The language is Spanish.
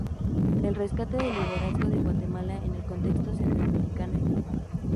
El rescate del liderazgo de Guatemala en el contexto centroamericano y global.